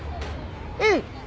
うん。